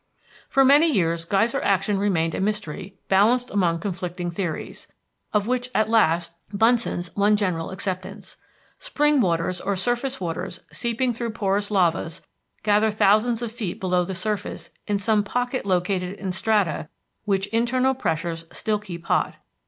For many years geyser action remained a mystery balanced among conflicting theories, of which at last Bunsen's won general acceptance. Spring waters, or surface waters seeping through porous lavas, gather thousands of feet below the surface in some pocket located in strata which internal pressures still keep hot.